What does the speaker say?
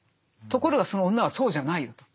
ところがその女はそうじゃないよと。